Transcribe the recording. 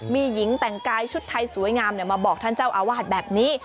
มีหญิงแต่งกายชุดไทยสวยงามมาบอกท่านเจ้าอาวาสแบบนี้